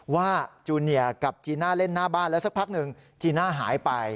จูเนียกับจีน่าเล่นหน้าบ้านแล้วสักพักหนึ่งจีน่าหายไป